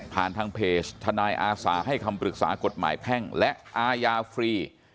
ทางเพจทนายอาสาให้คำปรึกษากฎหมายแพ่งและอาญาฟรี